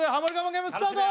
ゲームスタート